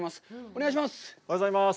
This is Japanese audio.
お願いします！